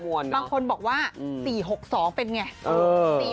บางคนบอกว่า๔๖๒เป็นไง